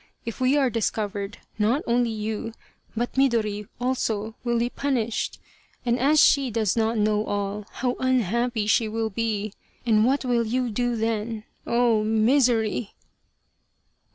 If we are discovered not only you, but Midori also will be punished, and as she does not know all how unhappy she will be, and what will you do then. Oh ! misery